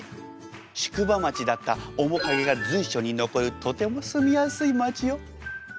宿場町だった面影が随所に残るとても住みやすい街よ。